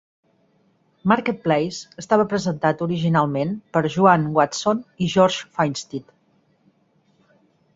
"Marketplace" estava presentat originalment per Joan Watson i George Finstad.